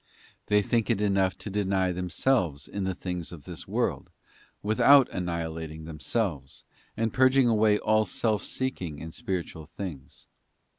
They think it enough to deny themselves in the things of this world, without annihilating themselves, and purging away all self seeking in spiritual things.